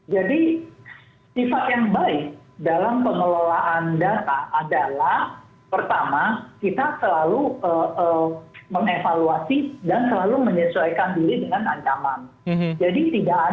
jadi sifat yang baik dalam pengelolaan data adalah pertama kita selalu mengevaluasi